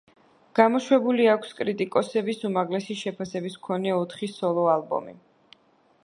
გამოშვებული აქვს კრიტიკოსების უმაღლესი შეფასების მქონე ოთხი სოლო ალბომი.